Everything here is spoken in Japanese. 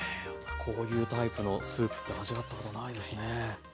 こういうタイプのスープって味わったことないですね。